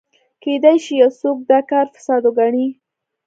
کېدای شي یو څوک دا کار فساد وګڼي.